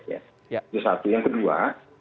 itu satu yang kedua